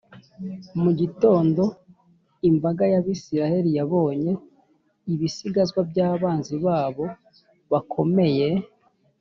mu gitondo, imbaga y’abisiraheli yabonye ibisigazwa by’abanzi babo bakomeye,